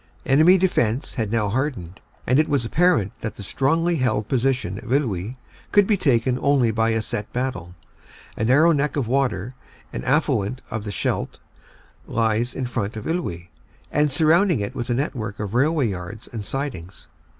Enemy defense had now hardened, and it was apparent that the strongly held position of Iwuy could be taken only by a set battle. A narrow neck of water, an affluent of the Scheldt, lies on the front of Iwuy, and surrounding it was a network of railway yards and sidings.